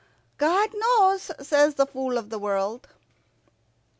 "God knows," says the Fool of the World.